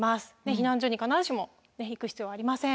避難所に必ずしも行く必要はありません。